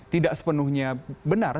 tidak sepenuhnya benar